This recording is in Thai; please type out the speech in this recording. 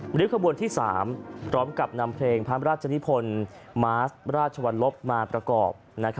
หรือขบวนที่๓พร้อมกับนำเพลงพระราชนิพลมาสราชวรรลบมาประกอบ